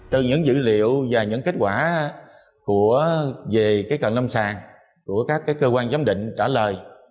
từ những dữ liệu và những kết quả về cận lâm sàng của các cơ quan giám định trả lời